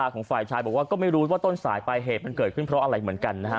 ของฝ่ายชายบอกว่าก็ไม่รู้ว่าต้นสายปลายเหตุมันเกิดขึ้นเพราะอะไรเหมือนกันนะฮะ